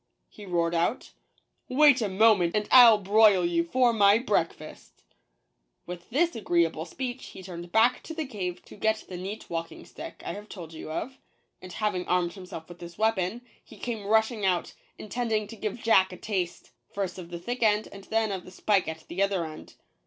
he roared out ; "wait a mo ment, and I'll broil you for my breakfast !" With this agreeable speech he turned back into the cave to get the neat walking stick I have told you of ; and having armed himself with this weapon, he came rushing out, in tending to give Jack a taste — first of the thick end, and then of the spike at the other end.